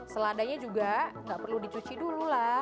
seladanya juga nggak perlu dicuci dulu lah